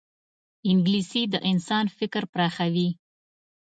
انګلیسي د انسان فکر پراخوي